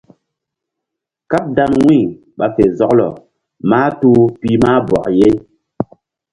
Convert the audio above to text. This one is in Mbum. Káɓ dan wu̧y ɓa fe zɔklɔ mahtuh pih mah bɔk ye.